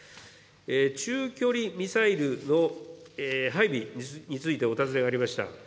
中距離ミサイルの配備についてお尋ねがありました。